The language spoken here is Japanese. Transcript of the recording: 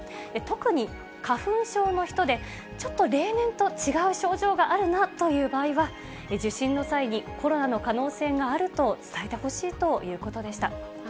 特に、花粉症の人で、ちょっと例年と違う症状があるなという場合は、受診の際にコロナの可能性があると伝えてほしいということでした。